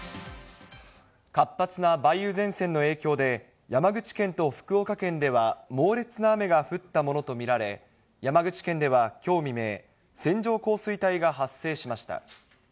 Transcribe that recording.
活発な梅雨前線の影響で、山口県と福岡県では猛烈な雨が降ったものと見られ、山口県ではきょう未明、線状降水帯が発生しました。